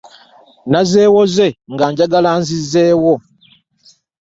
Nazewoze nga njagala nzizzewo .